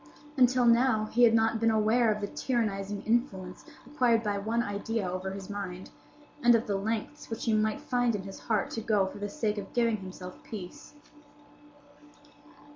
Until now he had not been aware of the tyrannizing influence acquired by one idea over his mind, and of the lengths which he might find in his heart to go for the sake of giving himself peace.